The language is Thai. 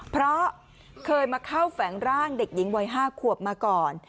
เพราะเคยมาเข้าแฝงร่างเด็กหญิงวัย๕ขวบมาก่อน